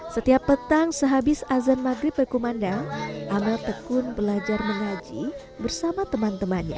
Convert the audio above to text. setiap petang sehabis azan maghrib berkumandang amel tekun belajar mengaji bersama teman temannya